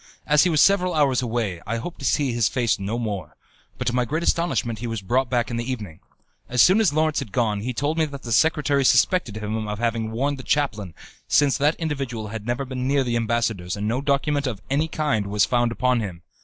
As he was several hours away, I hoped to see his face no more; but to my great astonishment he was brought back in the evening. As soon as Lawrence had gone, he told me that the secretary suspected him of having warned the chaplain, since that individual had never been near the ambassador's and no document of any kind was found upon him.